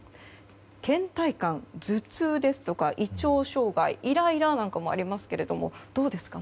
倦怠感、頭痛ですとか胃腸障害イライラなんかもありますけどもどうですか？